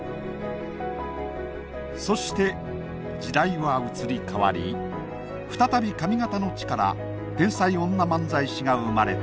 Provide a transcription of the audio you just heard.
そして時代は移り変わり再び上方の地から天才女漫才師が生まれた。